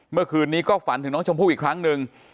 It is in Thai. เมื่อคืนนี้ก็ฝันถึงน้องชมพู่อีกครั้งหนึ่ง